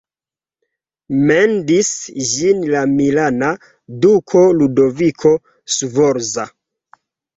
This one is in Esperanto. Mendis ĝin la milana duko Ludoviko Sforza.